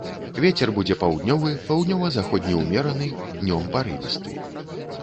Вецер будзе паўднёвы, паўднёва-заходні ўмераны, днём парывісты.